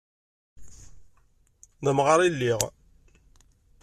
D amɣar i lliɣ.